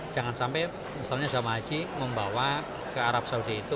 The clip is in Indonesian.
jangan sampai misalnya jamaah haji membawa ke arab saudi itu